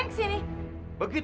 sampai jumpa lagi